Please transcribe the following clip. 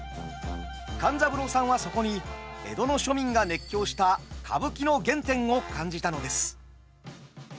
勘三郎さんはそこに江戸の庶民が熱狂した歌舞伎の原点を感じたのです。